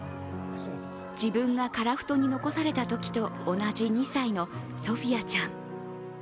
自分が樺太に残されたときと同じ２歳のソフィアちゃん。